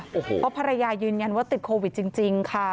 เพราะภรรยายืนยันว่าติดโควิดจริงค่ะ